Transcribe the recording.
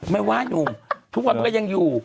ไหว้หนุ่มทุกวันมันก็ยังอยู่